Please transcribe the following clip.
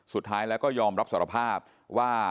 สุดท้ายแล้วก็ยอมรับสารภาพว่า